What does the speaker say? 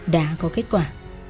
đã có kết quả